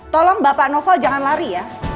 tolong bapak novel jangan lari ya